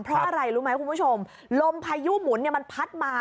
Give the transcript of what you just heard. เพราะอะไรรู้ไหมคุณผู้ชมลมพายุหมุนเนี่ยมันพัดมา